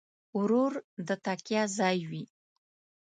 ورور د تکیه ځای وي.